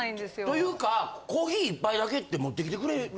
というかコーヒー１杯だけって持ってきてくれるの？